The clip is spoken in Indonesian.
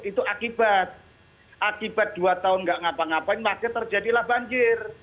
itu akibat akibat dua tahun gak ngapa ngapain makanya terjadilah banjir